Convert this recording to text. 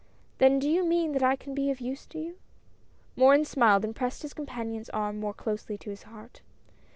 " Then do you mean that I can be of use to you? " Morin smiled and pressed his companion's arm more closely to his heart.